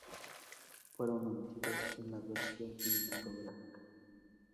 Fueron omitidos en la versión cinematográfica.